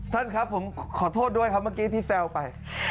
ท่านครับผมขอโทษด้วยครับเมื่อกี้ที่แซวไป